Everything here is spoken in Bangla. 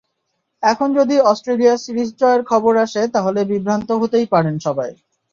এখন যদি অস্ট্রেলিয়ার সিরিজ জয়ের খবর আসে, তাহলে বিভ্রান্ত হতেই পারেন সবাই।